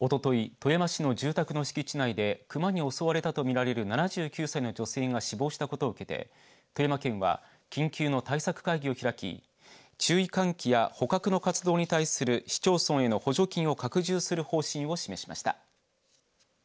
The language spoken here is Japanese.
富山市の住宅の敷地内で熊に襲われたと見られる７９歳の女性が死亡したことを受けて富山県は緊急の対策会議を開き注意喚起や捕獲の活動に対する市町村への補助金を拡充する方針を示しました。